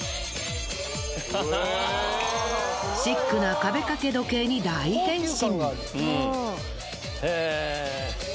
シックな壁掛け時計に大変身。